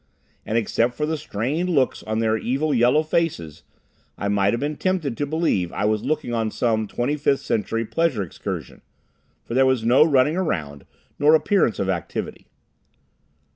And except for the strained looks on their evil yellow faces I might have been tempted to believe I was looking on some Twenty fifth Century pleasure excursion, for there was no running around nor appearance of activity.